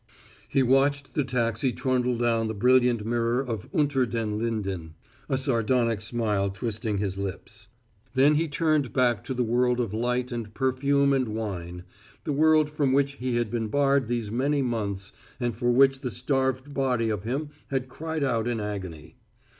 He watched the taxi trundle down the brilliant mirror of Unter den Linden, a sardonic smile twisting his lips. Then he turned back to the world of light and perfume and wine the world from which he had been barred these many months and for which the starved body of him had cried out in agony.